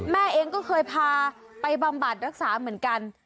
แม่เองก็เคยพาไปบำบัดรักษาเหมือนกัน